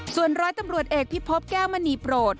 ส่วนร้อยตำรวจเอกพิพบแก้วมณีโปรด